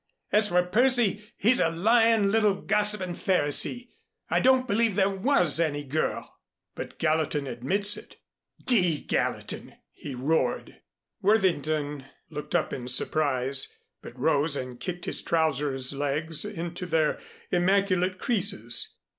As for Percy, he's a lyin', little gossipin' Pharisee. I don't believe there was any girl " "But Gallatin admits it." "D Gallatin!" he roared. Worthington looked up in surprise, but rose and kicked his trousers legs into their immaculate creases.